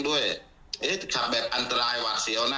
เดี๋ยวจะให้ตู้ยามกม๑๔ของขวาวเซนดิน